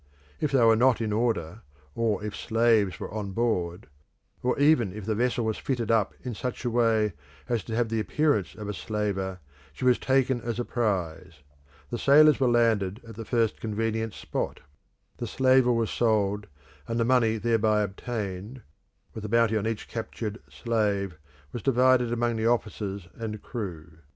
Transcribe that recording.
If they were not in order, or if slaves were on board, or even if the vessel was fitted up in such a way as to have the appearance of a slaver, she was taken as a prize; the sailors were landed at the first convenient spot; the slaver was sold, and the money thereby obtained, with a bounty on each captured slave, was divided among the officers and crew.